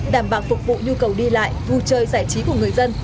đảm bảo phục vụ nhu cầu đi lại vui chơi giải trí của người dân